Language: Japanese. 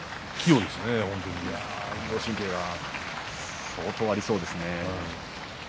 運動神経が相当ありそうです。